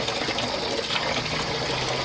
พร้อมทุกสิทธิ์